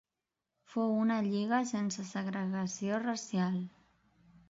Fou una lliga sense segregació racial.